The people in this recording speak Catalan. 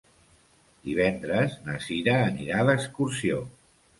Divendres na Sira anirà d'excursió.